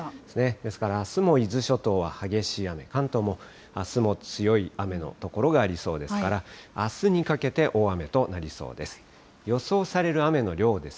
ですからあすも伊豆諸島は激しい雨、関東もあすも強い雨の所がありそうですから、あすにかけて大雨となりそうです。